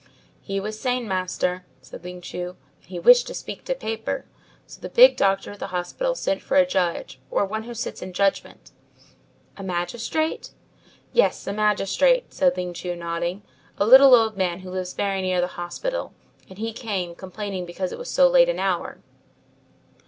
"He was sane, master," said Ling Chu, "and he wished to speak to paper. So the big doctor at the hospital sent for a judge, or one who sits in judgment." "A magistrate?" "Yes, a magistrate," said Ling Chu, nodding, "a little old man who lives very near the hospital, and he came, complaining because it was so late an hour.